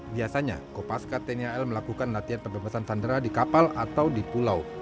biasanya kopaskat tnal melakukan latihan pembebasan sandera di kapal atau di pulau